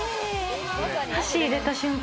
お箸を入れた瞬間